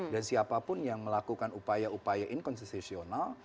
dan siapapun yang melakukan upaya upaya inkonstitusional